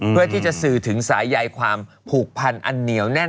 เพื่อที่จะสื่อถึงสายใยความผูกพันอันเหนียวแน่น